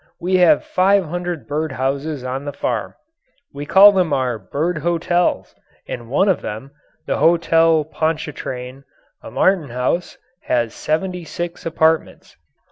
We have five hundred bird houses on the farm. We call them our bird hotels, and one of them, the Hotel Pontchartrain a martin house has seventy six apartments.